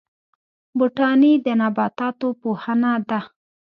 بوټاني د نباتاتو پوهنه ده